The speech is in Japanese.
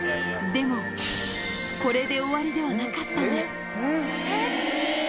でも、これで終わりではなかったんです。